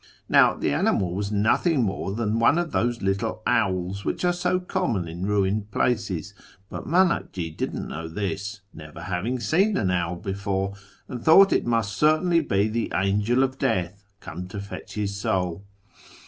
') Now the animal was iiothing more than one of those little owls which are so jcommon in ruined places, but Manakji didn't know this, never jhaving seen an owl before, and thought it must certainly be the Angel of Death come to fetch his soul.